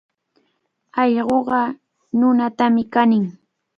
Allquqa nunatami kanin.